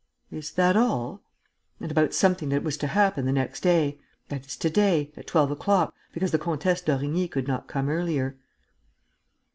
"Is that all?" "And about something that was to happen the next day, that is, to day, at twelve o'clock, because the Comtesse d'Origny could not come earlier."